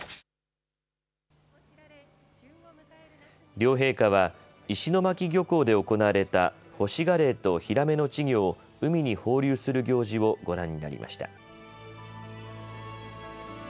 両陛下は石巻漁港で行われたホシガレイとヒラメの稚魚を海に放流する行事をご覧になりました。